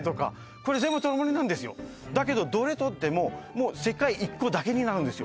これ全部トルマリンなんですよだけどどれ取ってももう世界一個だけになるんですよ